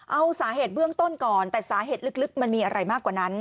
เอาสาเหตุเบื้องต้นก่อนแต่สาเหตุลึกมันมีอะไรมากกว่านั้น